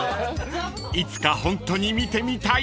［いつかホントに見てみたい］